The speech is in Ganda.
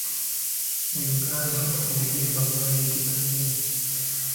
Mu Uganda, oluyimba lwayitika nnyo.